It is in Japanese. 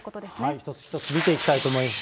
一つ一つ見ていきたいと思います。